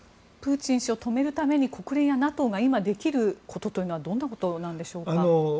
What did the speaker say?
プーチン氏を止めるために国連やＮＡＴＯが今できることはどんなことなんでしょうか？